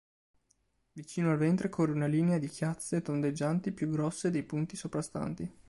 Vicino al ventre corre una linea di chiazze tondeggianti più grosse dei punti soprastanti.